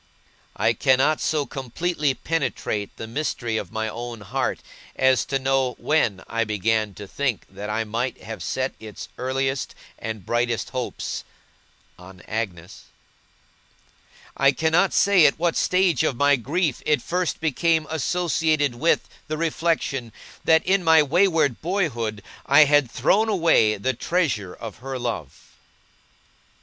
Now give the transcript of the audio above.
I cannot so completely penetrate the mystery of my own heart, as to know when I began to think that I might have set its earliest and brightest hopes on Agnes. I cannot say at what stage of my grief it first became associated with the reflection, that, in my wayward boyhood, I had thrown away the treasure of her love.